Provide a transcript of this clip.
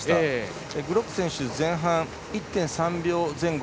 グロック選手は前半１．３秒前後。